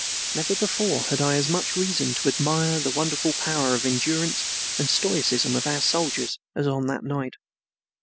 Never before had I as much reason to admire the wonderful power of endurance and stoicism of our soldiers as on that night.